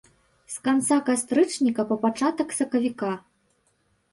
З канца кастрычніка па пачатак сакавіка.